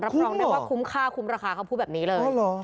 รับรองได้ว่าคุ้มค่าคุ้มราคาเขาพูดแบบนี้เลย